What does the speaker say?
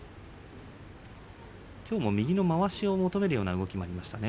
きょうも右のまわしを求めるような動きがありましたね。